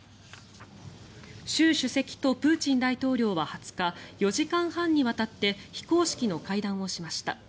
習主席とプーチン大統領は２０日４時間半にわたって非公式の会談をしました。